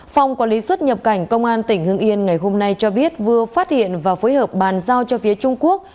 phòng quản lý xuất nhập cảnh công an tỉnh hưng yên ngày hôm nay cho biết vừa phát hiện và phối hợp bàn giao cho phía trung quốc